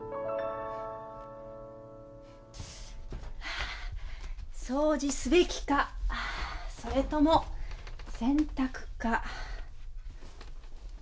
あ掃除すべきかそれとも洗濯か。